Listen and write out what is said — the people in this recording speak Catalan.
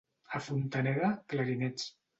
A Fontaneda, clarinets.